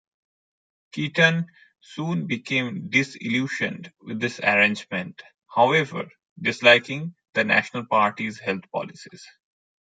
Kirton soon became disillusioned with this arrangement, however, disliking the National Party's health policies.